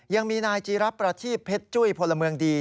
ยังมีนายจีรับประทีบเพชรจุ้ยพลเมืองดี